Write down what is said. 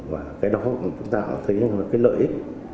và cái đó chúng ta cũng thấy là cái lợi ích